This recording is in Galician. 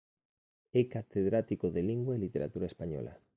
É catedrático de Lingua e Literatura Española.